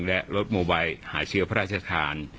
และรถโมไบหาเชื้อพระราชทาน